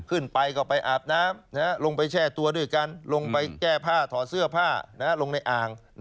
ขึ้นไปก็ไปอาบน้ำลงไปแช่ตัวด้วยกันลงไปแก้ผ้าถอดเสื้อผ้าลงในอ่าง